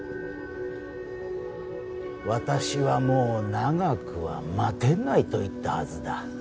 私はもう長くは待てないと言ったはずだ。